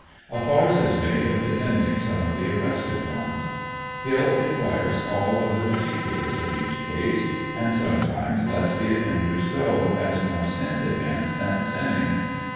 A farce is made of defending some of the arrested ones . Hill inquires all of the particulars of each case, and sometimes lets the offenders go ANDER80NVILLE DIARY. 87 as more sinned against than sinning.